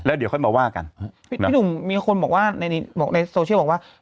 เดี๋ยวค่อยมาว่ากันพี่หนุ่มมีคนบอกว่าในโซเชียลบอกว่า